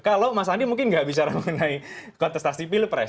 kalau mas andi mungkin nggak bicara mengenai kontestasi pilpres